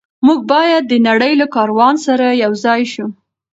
موږ باید د نړۍ له کاروان سره یوځای شو.